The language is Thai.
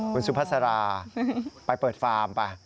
คุณสุภาษาราไปเปิดฟาร์มไป